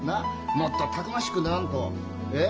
もっとたくましくならんとえっ？